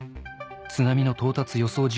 津波の到達予想